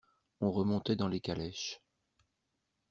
On remontait dans les calèches.